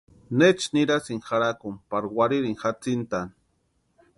¿Necha nirasïnki jarhakuni pari warhirini jatsintani?